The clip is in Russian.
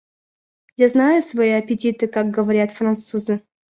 Я знаю свои аппетиты, как говорят французы.